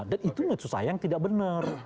dan itu susah yang tidak benar